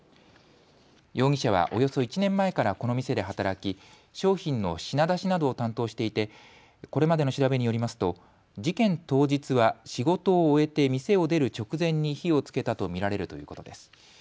容疑者はおよそ１年前からこの店で働き商品の品出しなどを担当していてこれまでの調べによりますと事件当日は仕事を終えて店を出る直前に火をつけたと見られるということです。